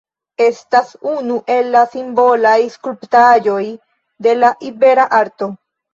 Estas unu el la simbolaj skulptaĵoj de la ibera Arto.